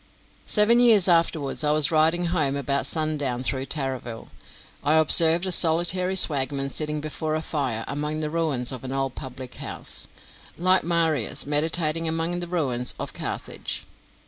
Seven years afterwards, as I was riding home about sundown through Tarraville, I observed a solitary swagman sitting before a fire, among the ruins of an old public house, like Marius meditating among the ruins of Carthage.